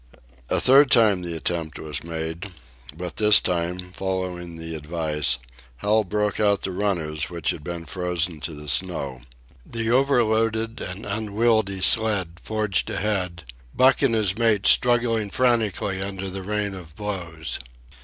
A third time the attempt was made, but this time, following the advice, Hal broke out the runners which had been frozen to the snow. The overloaded and unwieldy sled forged ahead, Buck and his mates struggling frantically under the rain of blows.